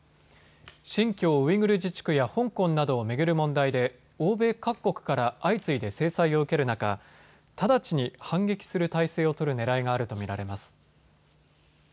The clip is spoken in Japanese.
新疆ウイグル自治区や香港などを巡る問題で欧米各国から相次いで制裁を受ける中、直ちに反撃する体制を取るねらいがあると見られます。